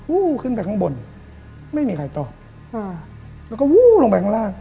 ขึ้นไปข้างบนไม่มีใครตอบค่ะแล้วก็วู้ลงไปข้างล่าง